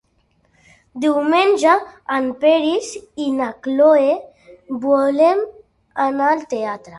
Diumenge en Peris i na Cloè volen anar al teatre.